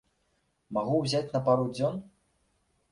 Магу ўзяць на пару дзён?